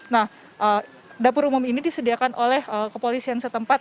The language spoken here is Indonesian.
nah dapur umum ini disediakan oleh kepolisian setempat